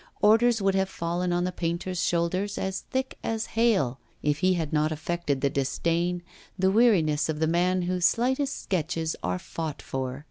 Orders would have fallen on the painter's shoulders as thick as hail, if he had not affected the disdain, the weariness of the man whose slightest sketches are fought for.